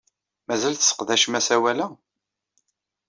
Mazal tesseqdacem asawal-a?